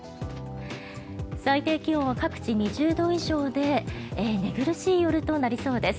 最低気温は各地２０度以上で寝苦しい夜となりそうです。